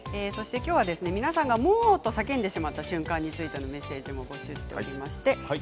きょうは皆さんからモーと叫んでしまった瞬間についてメッセージも募集しています。